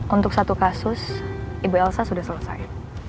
untuk satu kasus ibu elsa sudah selesai